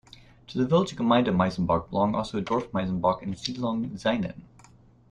To the village of Gemeinde Maisenbach belog also Dorf Maisenbach and Siedlung Zainen.